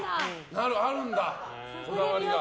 あるんだ、こだわりが。